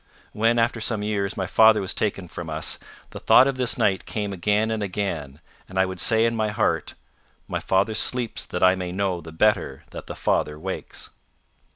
When, after some years, my father was taken from us, the thought of this night came again and again, and I would say in my heart: "My father sleeps that I may know the better that The Father wakes."